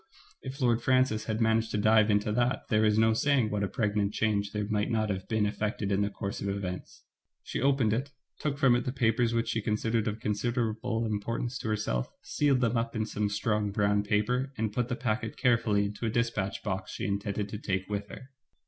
If Lord Francis had managed to dive into that, there is no saying what a pregnant change there might not have been effected in the course of events. She opened it, took from it the papers which she considered of considerable importance to her self, sealed them up in some strong brown paper, I Digitized by Google j| JEAhr MIDDLEMASS, 219 and put the packet carefully into a dispatch box she intended to take with her.